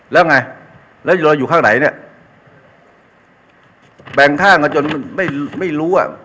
แล้วไงแล้วเราอยู่ข้างไหนเนี่ยแบ่งข้างกันจนมันไม่รู้อ่ะ